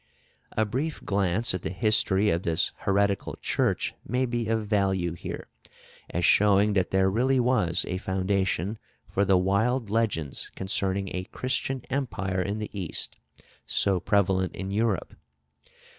A brief glance at the history of this heretical Church may be of value here, as showing that there really was a foundation for the wild legends concerning a Christian empire in the East, so prevalent in Europe.